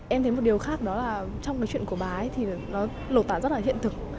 em thấy một điều khác đó là trong cái chuyện của bái thì nó lột tả rất là hiện thực